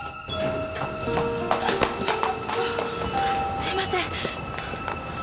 すみません。